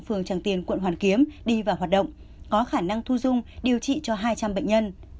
phường tràng tiền quận hoàn kiếm đi vào hoạt động có khả năng thu dung điều trị cho hai trăm linh bệnh nhân